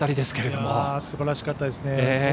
すばらしかったですね。